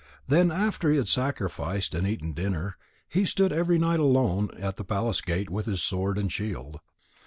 Then after he had sacrificed and eaten dinner, he stood every night alone at the palace gate with his sword and shield.